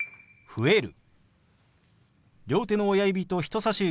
「増える」。